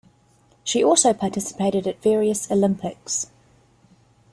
She also participated at various Olympics.